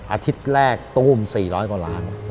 อาทิตย์แรกตู้ม๔๐๐กว่าล้าน